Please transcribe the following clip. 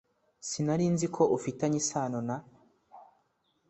Sinari nzi ko ufitanye isano na